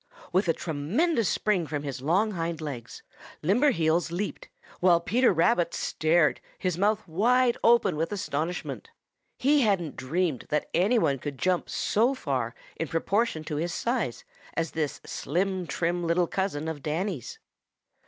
With a tremendous spring from his long hind legs Limberheels leaped, while Peter Rabbit stared, his mouth wide open with astonishment. He hadn't dreamed that any one could jump so far in proportion to his size as this slim, trim little cousin of Danny's.